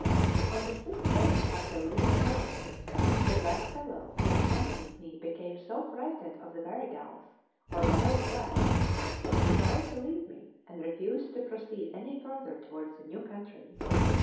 On the sixth day after leaving Currawang the blackfellow who accompanied me became so frightened of the Warrigals, or wild blacks, that he tried to leave me, and refused to proceed any further towards the new country.